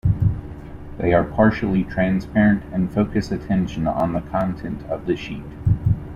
They are partially transparent and focus attention on the content of the sheet.